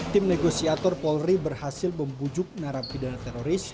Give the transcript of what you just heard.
tim negosiator polri berhasil membujuk narapidana teroris